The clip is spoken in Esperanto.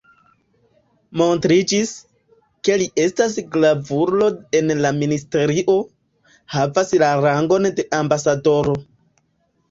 Montriĝis, ke li estas gravulo en la ministerio, havas la rangon de ambasadoro.